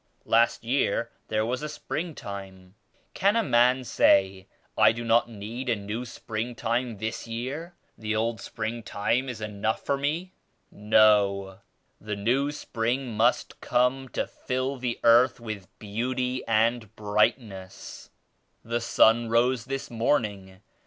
Last year there was a spring time. Can a man say *I do not need a new spring time this year, — the old spring time is enough for me?' No ! the new spring must come to fill the earth with beauty and brightness. The sun rose this morning.